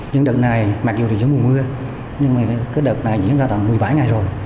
những đợt này mặc dù là giống mùa mưa nhưng mà cái đợt này diễn ra toàn một mươi bảy ngày rồi